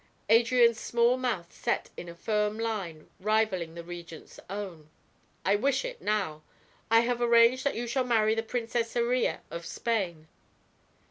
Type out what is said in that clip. Adrian's small mouth set in a firm line rivaling the Regent's own. "I wish it now. I have arranged that you shall marry the Princess Iría of Spain."